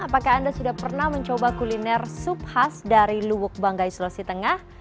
apakah anda sudah pernah mencoba kuliner sup khas dari lubuk banggai sulawesi tengah